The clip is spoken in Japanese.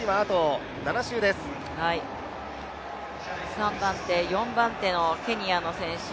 ３番手、４番手のケニアの選手